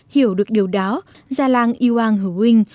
hiểu được điều đó gia làng yêu an hữu hình